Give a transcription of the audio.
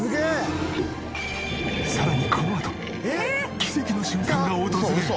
さらにこのあと奇跡の瞬間が訪れる！